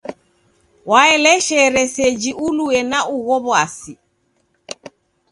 Waeleshere seji ulue na ugho w'asi.